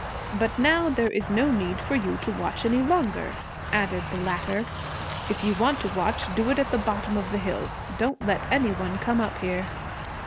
'But now there is no need for you to watch any longer,' added the latter. 'If you want to watch, do it at the bottom of the hill. Don't let any one come up here.'